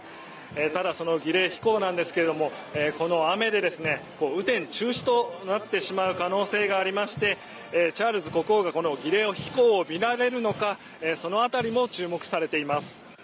ただその儀礼飛行ですがこの雨で雨天中止となってしまう可能性がありましてチャールズ国王がこの儀礼飛行を見られるのかその辺りも注目されています。